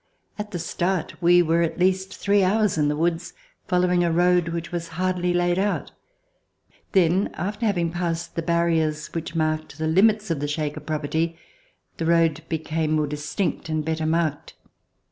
At the start we were at least three hours in the woods, fol lowing a road which was hardly laid out. Then after RECOLLECTIONS OF THE REVOLUTION having passed the barriers which marked the Hmits of the Shaker property, the road became more distinct and better marked.